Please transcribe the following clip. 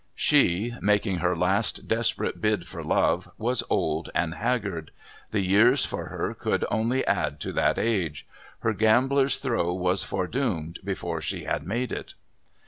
She, making her last desperate bid for love, was old and haggard; the years for her could only add to that age. Her gambler's throw was foredoomed before she had made it.